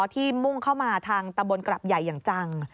มุ่งเข้ามาทางตะบนกรับใหญ่อย่างจัง